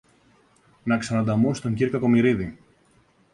να ξανανταμώσεις τον κυρ Κακομοιρίδη